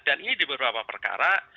dan ini di beberapa perkara